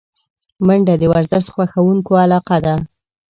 منډه د ورزش خوښونکو علاقه ده